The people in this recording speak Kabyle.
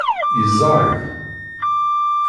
Yeẓẓar-it.